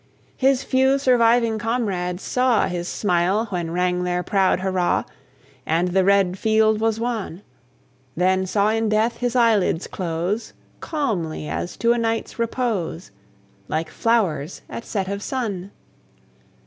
His few surviving comrades saw His smile when rang their proud hurrah, And the red field was won; Then saw in death his eyelids close Calmly, as to a night's repose, Like flowers at set of sun.